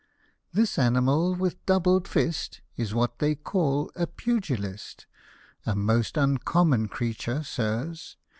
" This animal, with doubled fist, Is what they call a pugilist ; A most uncommon creature, Sirs